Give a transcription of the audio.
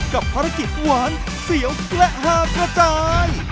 กับภารกิจหวานเสียวกระฮากระจาย